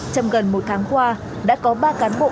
trong gần một tháng qua đã có ba cán bộ